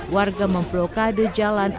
warga memblokade jalan yang kemudian lagi ditemui